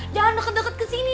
jangan deket deket kesini